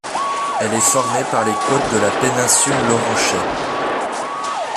Elle est formée par les côtes de la péninsule Loranchet.